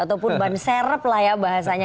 ataupun ban serep lah ya bahasanya